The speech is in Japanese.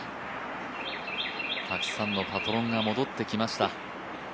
たくさんのパトロンが戻ってきました。